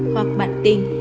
hoặc bạn tình